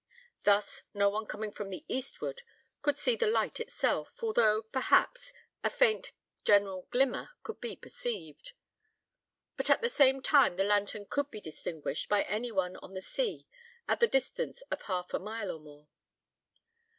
Thus, no one coming from the eastward could see the light itself, although, perhaps, a faint general glimmer could be perceived; but at the same time the lantern could be distinguished by any one on the sea at the distance of half a mile or more.